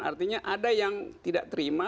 artinya ada yang tidak terima